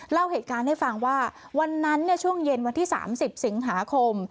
เล่าเหตุการณ์ให้ฟังว่าวันนั้นช่วงเย็นวันที่๓๐สิงหาคม